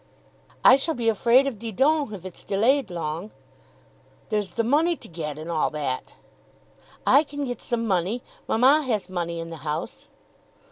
"I shall be afraid of Didon if it's delayed long." "There's the money to get, and all that." "I can get some money. Mamma has money in the house."